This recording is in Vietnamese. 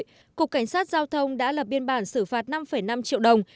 cục cảnh sát giao thông đã lập biên bản xử phạt năm năm triệu đồng